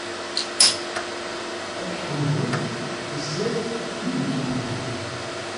Ad k-ḥemdeɣ sdat wid i k-iḥemmlen.